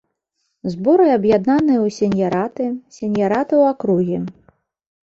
Зборы аб'яднаныя ў сеньяраты, сеньяраты ў акругі.